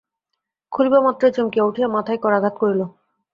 খুলিবামাত্রই চমকিয়া উঠিয়া মাথায়ে করাঘাত করিল।